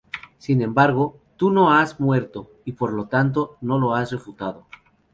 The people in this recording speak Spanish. Sin embargo, "tú" no has muerto, y por tanto no lo has refutado.